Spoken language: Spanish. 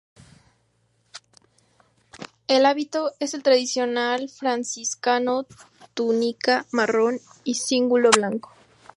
El hábito es el tradicional franciscano, túnica marrón y cíngulo blanco.